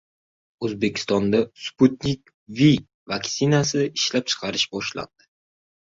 O‘zbekistonda "Sputnik V" vaktsinasini ishlab chiqarish boshlandi